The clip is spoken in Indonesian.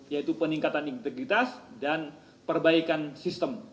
yaitu peningkatan integritas dan perbaikan sistem